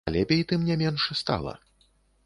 А лепей, тым не менш, стала.